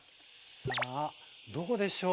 さあどうでしょう？